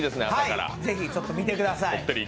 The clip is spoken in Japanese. ぜひ、見てください。